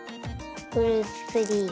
フルーツツリー。